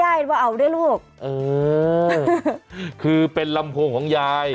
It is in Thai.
หือเหน่ลำโพง